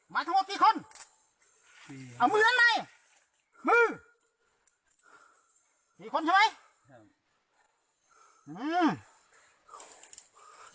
มีคนใช่มั้ย